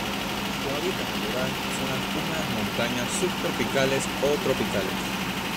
Su hábitat natural son la húmedas montañas subtropicales o tropicales.